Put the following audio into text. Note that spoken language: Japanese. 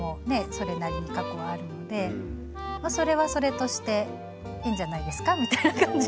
それなりに過去はあるのでそれはそれとしていいんじゃないですかみたいな感じではい。